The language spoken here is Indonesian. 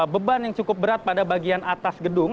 beban yang cukup berat pada bagian atas gedung